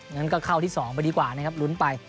งั้นก็เข้าที่๒ไปดีกว่านะครับลุ้นไป